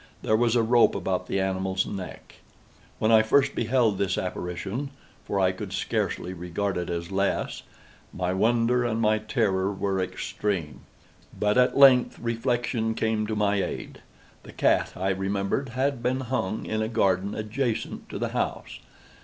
There was a rope about the animal's neck. When I first beheld this apparition—for I could scarcely regard it as less—my wonder and my terror were extreme. But at length reflection came to my aid. The cat, I remembered, had been hung in a garden adjacent to the house.